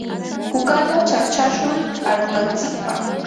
Kukata chaqchashun arunantsikpaq.